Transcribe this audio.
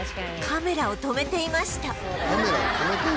「カメラを止めていた」？